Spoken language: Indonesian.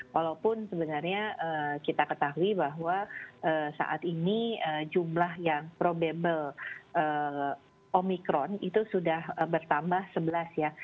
walaupun sebenarnya kita ketahui bahwa saat ini jumlah yang probable omicron itu sudah bertambah sebelas ya